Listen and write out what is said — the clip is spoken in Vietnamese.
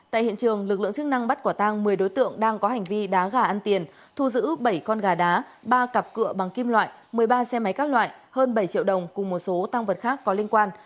tại hiện trường lực lượng chức năng bắt quả tang một mươi đối tượng đang có hành vi đá gà ăn tiền thu giữ bảy con gà đá ba cặp cựa bằng kim loại một mươi ba xe máy các loại hơn bảy triệu đồng cùng một số tăng vật khác có liên quan